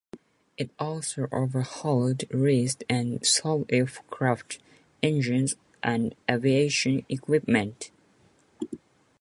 It also overhauled, leased and sold aircraft, engines and aviation equipment.